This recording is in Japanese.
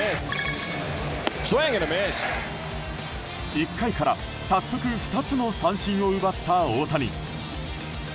１回から早速、２つの三振を奪った大谷。